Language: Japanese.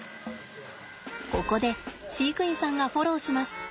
ここで飼育員さんがフォローします。